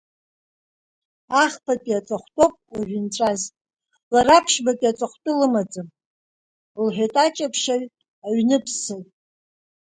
Ахԥатәи аҵатәхәоуп уажәы инҵәаз, лара аԥшьбатәи аҵатәхәы лымаӡам, лҳәеитаҷаԥшьаҩ-аҩныԥссаҩ.